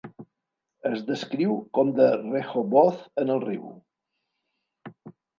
Es descriu com de "Rehoboth en el riu".